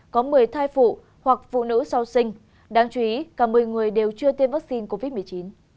có một mươi thai phụ hoặc phụ nữ sau sinh đáng chú ý cả một mươi người đều chưa tiêm vaccine covid một mươi chín